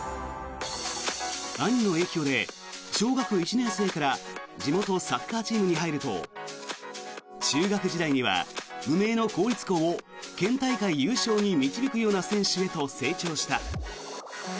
兄の影響で小学１年生から地元サッカーチームに入ると中学時代には無名の公立校を県大会優勝へ導くような選手へと成長した。